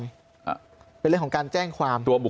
เป็นเรื่องของการแจ้งความ